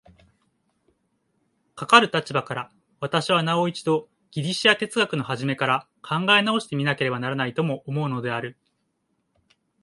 かかる立場から、私はなお一度ギリシヤ哲学の始から考え直して見なければならないとも思うのである。